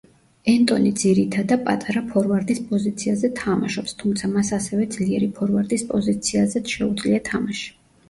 ენტონი ძირითადა პატარა ფორვარდის პოზიციაზე თამაშობს, თუმცა მას ასევე ძლიერი ფორვარდის პოზიციაზეც შეუძლია თამაში.